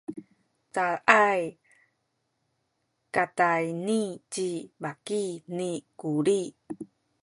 caay katayni ci baki ni Kuli.